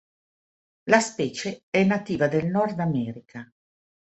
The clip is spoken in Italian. La specie è nativa del Nord America.